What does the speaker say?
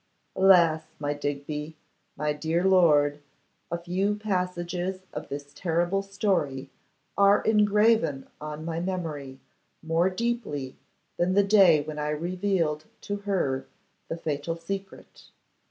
Alas! my Digby, my dear lord, few passages of this terrible story are engraven on my memory more deeply than the day when I revealed to her the fatal secret.